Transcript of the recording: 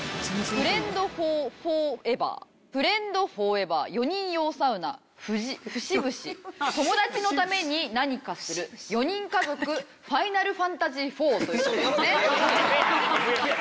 「フレンドフォーフォーエバー」「フレンドフォーエバー」「４人用サウナ」「フシブシ」「友達のためになにかする」「４人家族」「ファイナルファンタジー４」という事ですね。